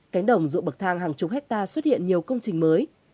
cánh đồng ruộng bậc thang hàng chục hectare xuất hiện nhiều công trình mới